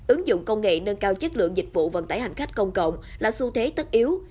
ứng dụng công nghệ nâng cao chất lượng dịch vụ vận tải hành khách công cộng là xu thế tất yếu